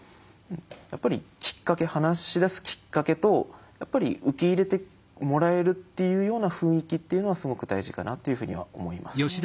やっぱりきっかけ話しだすきっかけと受け入れてもらえるっていうような雰囲気っていうのはすごく大事かなっていうふうには思います。